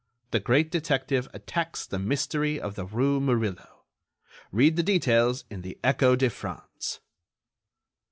THE GREAT DETECTIVE ATTACKS THE MYSTERY OF THE RUE MURILLO. READ THE DETAILS IN THE "ECHO DE FRANCE."